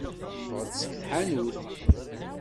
Teffeɣ-d seg tḥanut.